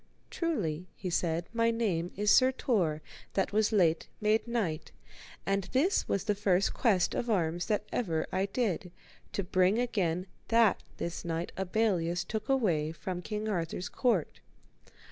Truly, he said, my name is Sir Tor that was late made knight, and this was the first quest of arms that ever I did, to bring again that this knight Abelleus took away from King Arthur's court.